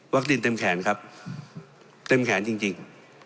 ดินเต็มแขนครับเต็มแขนจริง